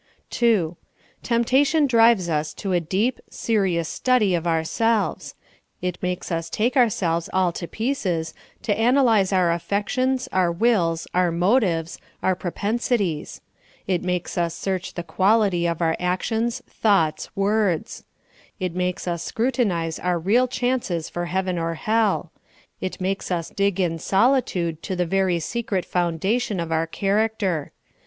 2. Temptation drives us to a deep, serious study of ourselves ; it makes us take ourselves all to pieces, to 68 SOUL FOOD. analyze our afFectious, our wills, our motives, our pro pensities ; it makes us search the quality of our ac tions, thoughts, words ; it makes us scrutinize our real chances for heaven or hell ; it makes us dig in solitude to the very secret foundation of our character.